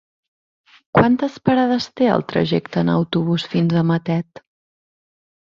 Quantes parades té el trajecte en autobús fins a Matet?